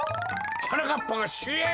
はなかっぱがしゅえん！？